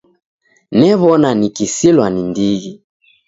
New'ona nikisilwa ni ndighi.